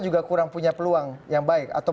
juga kurang punya peluang yang baik atau